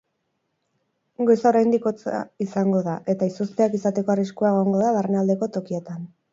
Goiza oraindik hotza izango da eta izozteak izateko arriskua egongo da barnealdeko tokietan.